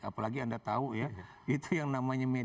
apalagi anda tahu ya itu yang namanya media